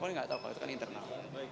saya nggak tahu kalau itu kan internal